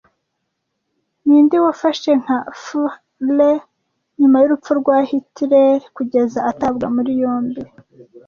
Ninde wafashe nka Fuhrer nyuma y'urupfu rwa Hitler kugeza atabwa muri yombi